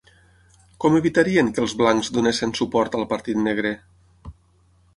Com evitarien que els blancs donessin suport al "partit negre"?